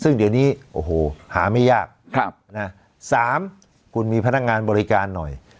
ซึ่งเดี๋ยวนี้โอ้โหหาไม่ยาก๓คุณมีพนักงานบริการหน่อย